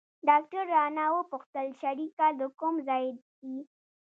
ډاکتر رانه وپوښتل شريکه د کوم ځاى يې.